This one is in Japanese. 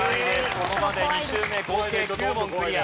ここまで２周目合計９問クリア。